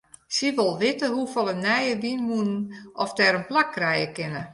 Sy wol witte hoefolle nije wynmûnen oft dêr in plak krije kinne.